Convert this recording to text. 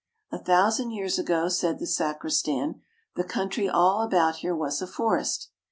"A thousand years ago," said the sacristan, "the country all about here was a forest."